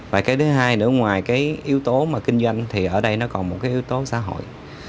và cái thứ hai nữa ngoài cái yếu tố mà kinh doanh thì ở đây nó còn một cái yếu tố xã hội